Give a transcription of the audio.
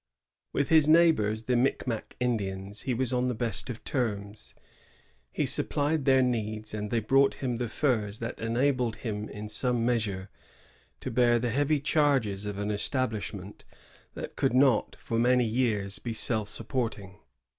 ^ With Ins neighbors, the Micmac Indians, he was on the best of terms. He supplied their needs, and they brought him the furs that enabled him in some measure to bear the heavy charges of an establish ment that could not for many years be self support ing.